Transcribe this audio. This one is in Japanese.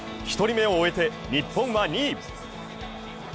１人目を終えて、日本は２位。